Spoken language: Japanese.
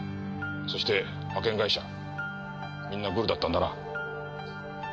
そして派遣会社みんなグルだったんだな。